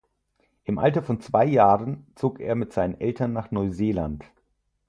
Im Alter von zwei Jahren zog er mit seinen Eltern nach Neuseeland.